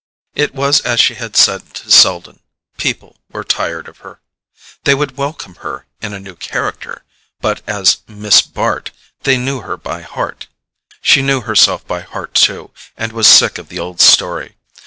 It was as she had said to Selden—people were tired of her. They would welcome her in a new character, but as Miss Bart they knew her by heart. She knew herself by heart too, and was sick of the old story.